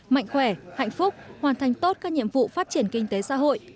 mạnh khỏe hạnh phúc hoàn thành tốt các nhiệm vụ phát triển kinh tế xã hội